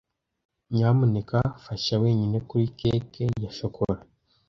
Nyamuneka fasha wenyine kuri cake ya shokora.